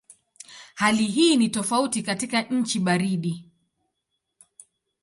Hali hii ni tofauti katika nchi baridi.